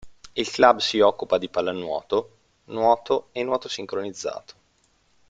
Il club si occupa di pallanuoto, nuoto e nuoto sincronizzato.